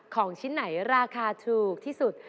ของชิ้นไหนราคาถูกที่สุด